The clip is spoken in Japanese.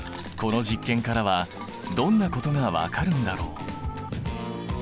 この実験からはどんなことが分かるんだろう？